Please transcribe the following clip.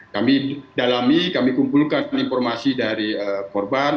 kami dalami kami kumpulkan informasi dari korban